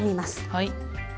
はい。